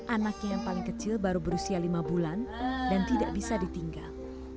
anaknya yang paling kecil baru berusia lima bulan dan tidak bisa ditinggal